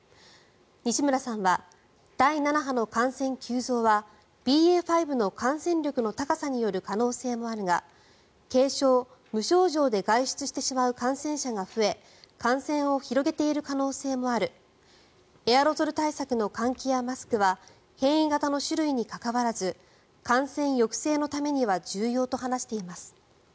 西村さんは第７波の感染急増はＢＡ．５の感染力の高さによる可能性もあるが軽症、無症状で外出してしまう感染者が増え感染を広げている可能性もあるエアロゾル対策の換気やマスクは変異型の種類にかかわらず感染抑制のためには重要と話しています。